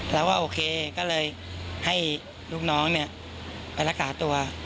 เราก็โอเคก็เลยให้ลูกน้องไปรักษาตัว